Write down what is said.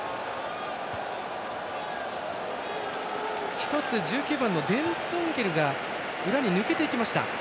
一つ、１９番のデンドンケルが裏に抜けていきました。